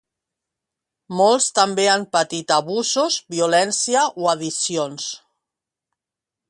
Molts també han patit abusos, violència o addiccions.